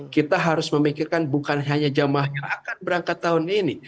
kita harus memikirkan bukan hanya jamaah yang akan berangkat tahun ini